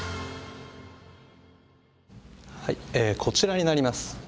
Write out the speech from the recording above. こちらになります。